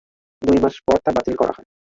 দুই মাস পর তা বাতিল করা হয়।